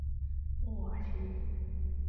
穆瓦西。